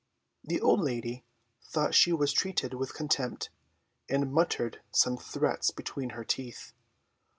The old lady thought she was treated with contempt, and muttered some threats between her teeth.